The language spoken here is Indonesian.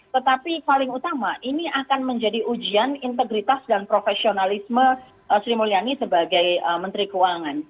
tetapi paling utama ini akan menjadi ujian integritas dan profesionalisme sri mulyani sebagai menteri keuangan